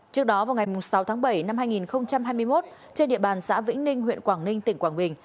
trước đó vào ngày sáu tháng bảy năm hai nghìn hai mươi một trên địa bàn xã vĩnh ninh huyện quảng ninh tỉnh quảng bình